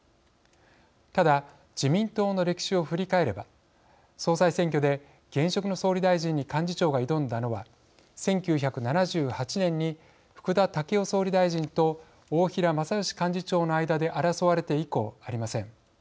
ただ自民党の歴史を振り返れば総裁選挙で現職の総理大臣に幹事長が挑んだのは１９７８年に福田赳夫総理大臣と大平正芳幹事長の間で争われて以降、ありません。